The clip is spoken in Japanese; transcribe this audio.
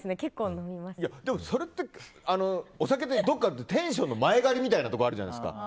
でも、それって、お酒ってどこかテンションの前借りみたいなところがあるじゃないですか。